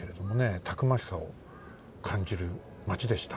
たくましさをかんじるマチでした。